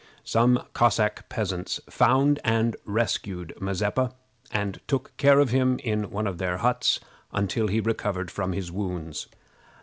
Some Cossack peasants found and rescued Mazeppa, and took care of him in one of their huts until he recovered from his wounds.